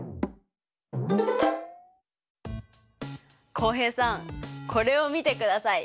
浩平さんこれを見てください。